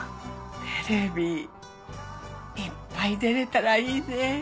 テレビいっぱい出れたらいいねぇ。